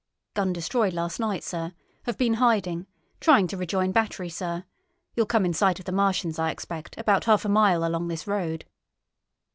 "Gun destroyed last night, sir. Have been hiding. Trying to rejoin battery, sir. You'll come in sight of the Martians, I expect, about half a mile along this road."